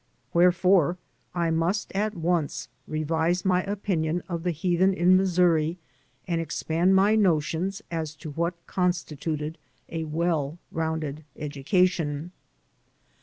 Wherefore, I must at once revise my opinion of the heathen in Missouri and expand my notions as to what constituted a well roimded education.